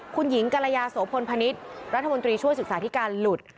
คุณหญิงกรยาโสพลพนิษฐ์รัฐมนตรีช่วยศึกษาธิการหลุด